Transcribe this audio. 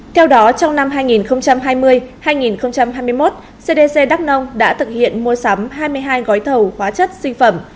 theo đó trong năm hai nghìn hai mươi hai nghìn hai mươi một cdc đắk nông đã thực hiện mua sắm hai mươi hai gói thầu hóa chất sinh phẩm